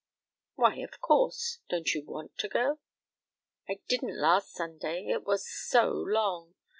"Why, of course. Don't you want to go?" "I didn't last Sunday; it was so long.